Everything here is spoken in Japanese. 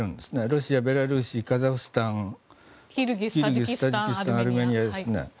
ロシア、ベラルーシカザフスタンキルギス、タジキスタンアルメニアですね。